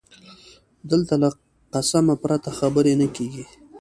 دلته له قسمه پرته خبره نه کېږي